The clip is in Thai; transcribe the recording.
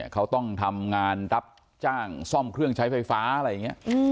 เขาต้องทำงานรับจ้างซ่อมเครื่องใช้ไฟฟ้าอะไรอย่างนี้